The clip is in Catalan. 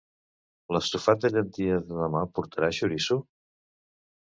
L'estofat de llenties de demà portarà xoriço?